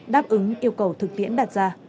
đáp ứng yêu cầu thực tiễn đạt ra